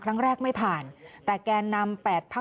คุณสิริกัญญาบอกว่า๖๔เสียง